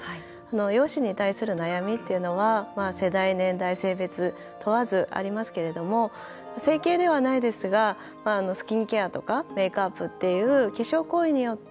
容姿に対する悩みっていうのは世代、年代性別問わず、ありますけど整形ではないですがスキンケアとかメーキャップという化粧行為によって